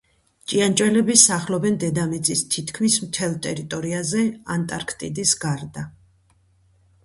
ჭიანჭველები სახლობენ დედამიწის თითქმის მთელ ტერიტორიაზე, ანტარქტიდის გარდა.